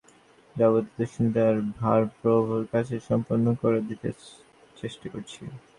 যাবতীয় দুশ্চিন্তার ভার প্রভুর কাছে সমর্পণ করে দিতে চেষ্টা করছি।